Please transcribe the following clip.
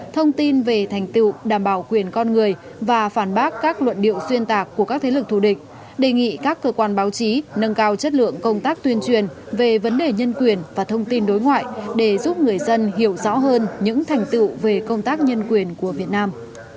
thông tin về thành tựu đảm bảo quyền con người và phản bác các luận điệu xuyên tạc của các thế lực thù địch đề nghị các cơ quan báo chí nâng cao chất lượng công tác tuyên truyền về vấn đề nhân quyền và thông tin đối ngoại để giúp người dân hiểu rõ hơn những thành tựu về công tác nhân quyền của việt nam